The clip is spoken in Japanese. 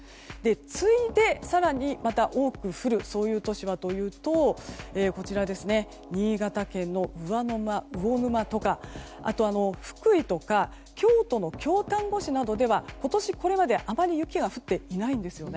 次いで更にまた多く降る都市はというと新潟県の魚沼とか福井とか京都の京丹後市とかでは今年、これまであまり雪が降っていないんですよね。